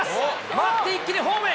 回って一気にホームへ。